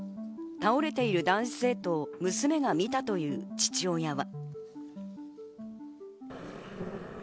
倒れている男子生徒を娘が見たという父親は。